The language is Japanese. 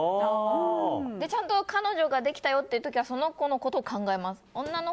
ちゃんと彼女ができたよという時にはその子のことを考えます。